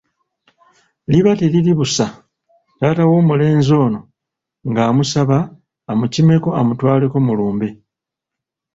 Liba teriri busa, taata w'omulenzi ono ng'amusaba amukimeko amutwaleko mu lumbe